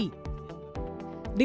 dengan menghentikan pandemi virus corona